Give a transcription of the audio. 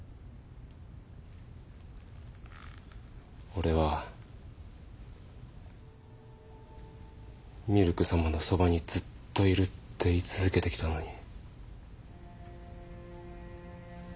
俺はみるくさまのそばにずっといるって言い続けてきたのに。